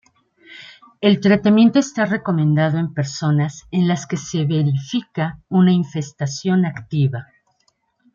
El tratamiento está recomendado en personas en las que se verifica una infestación activa.